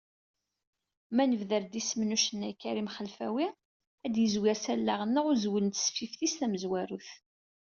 Ma nebder-d isem n ucennay Karim Xelfawi, ad yezwir s allaɣ-nneɣ uzwel n tesfifit-is tamezwarut.